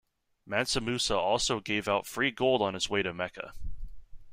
Mansa Musa also gave out free gold on his way to Mecca.